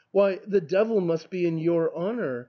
Why, the devil must be in your honour